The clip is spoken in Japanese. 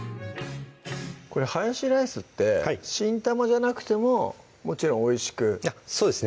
これハヤシライスって新玉じゃなくてももちろんおいしくそうですね